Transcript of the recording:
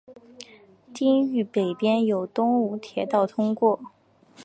町域北边有东武铁道通过。